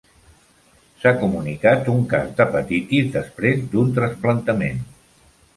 S'ha comunicat un cas d'hepatitis després d'un trasplantament.